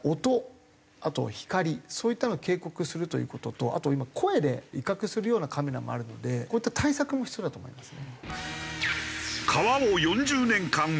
あと光そういったような警告をするという事とあと今声で威嚇するようなカメラもあるのでこういった対策も必要だと思いますね。